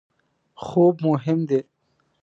خوب مهم دی